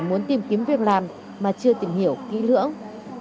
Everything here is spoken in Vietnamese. muốn tìm kiếm việc làm mà chưa tìm hiểu kỹ lưỡng